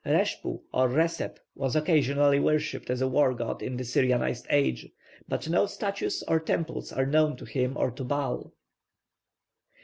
+Reshpu+, or +Reseph+, was occasionally worshipped as a war god in the Syrianised age; but no statues or temples are known to him or to Baal.